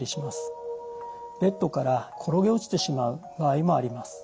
ベッドから転げ落ちてしまう場合もあります。